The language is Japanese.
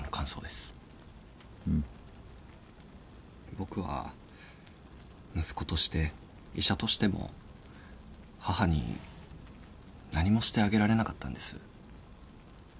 僕は息子として医者としても母に何もしてあげられなかったんです。